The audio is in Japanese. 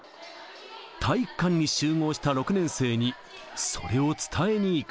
体育館に集合した６年生に、それを伝えに行く。